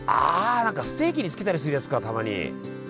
何かステーキにつけたりするやつかたまに。